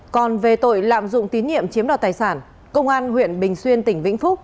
còn về tội lạm dụng tín nhiệm chiếm đoạt tài sản công an huyện bình xuyên tỉnh vĩnh phúc